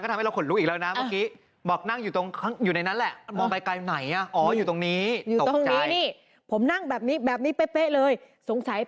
อ้าวลงไปดูหน่อยซิ